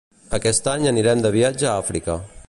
Aquest any anirem de viatge a Àfrica